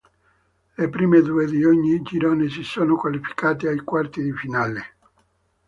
Le prime due di ogni girone si sono qualificate ai quarti di finale.